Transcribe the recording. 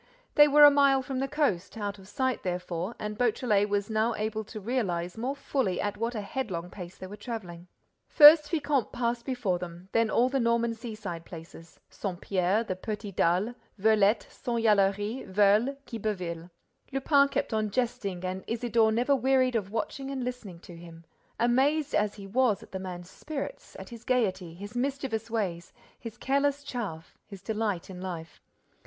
They were a mile from the coast, out of sight, therefore, and Beautrelet was now able to realize more fully at what a headlong pace they were traveling. First Fécamp passed before them, then all the Norman seaside places: Saint Pierre, the Petits—Dalles, Veulettes, Saint Valery, Veules, Quiberville. Lupin kept on jesting and Isidore never wearied of watching and listening to him, amazed as he was at the man's spirits, at his gaiety, his mischievous ways, his careless chaff, his delight in life.